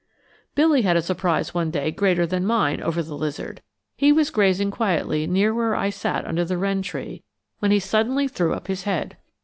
Billy had a surprise one day greater than mine over the lizard. He was grazing quietly near where I sat under the wren tree, when he suddenly threw up his head.